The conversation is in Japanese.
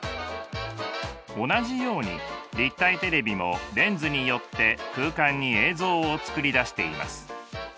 同じように立体テレビもレンズによって空間に映像を作り出しています。